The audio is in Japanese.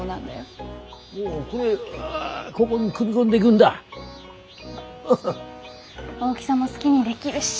そう大きさも好きにできるし。